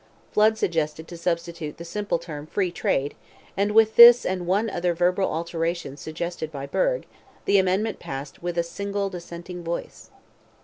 Flood suggested to substitute the simple term "free trade," and with this and one other verbal alteration suggested by Burgh, the amendment passed with a single dissenting voice.